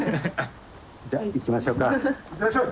じゃあ行きましょうか。